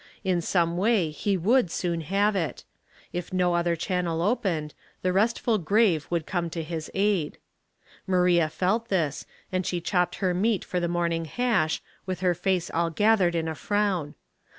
Ju i^ome way he would soon have it. If no other channel opened, the restful grave would come to his aid. Maria felt this, and she chopped her meat for the morning hash, with her face all gathered in a frown.